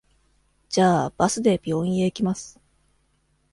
じゃあ、バスで病院へ行きます。